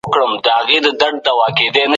د دودونو ساتنه څنګه کيده؟